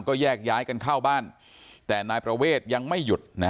ก็แยกย้ายกันเข้าบ้านแต่นายประเวทยังไม่หยุด